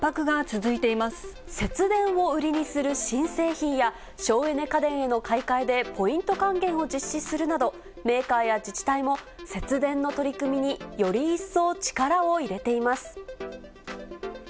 節電を売りにする新製品や、省エネ家電への買い替えでポイント還元を実施するなど、メーカーや自治体も、節電の取り組みにより一層力を入れています。